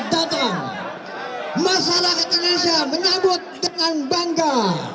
datang masalah indonesia menabut dengan bangga